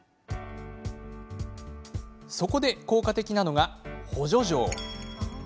そこで、効果的なのが補助錠。